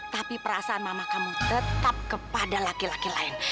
tapi perasaan mama kamu tetap kepada laki laki lain